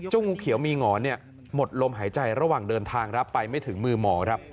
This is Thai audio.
งูเขียวมีหงอนหมดลมหายใจระหว่างเดินทางรับไปไม่ถึงมือหมอครับ